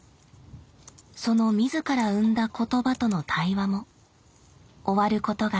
その自ら生んだ言葉との対話も終わることがありません。